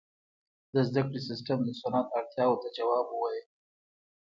• د زدهکړې سیستم د صنعت اړتیاو ته ځواب وویل.